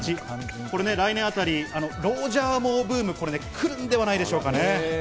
これ来年あたりロージャーモーブーム来るんじゃないでしょうかね。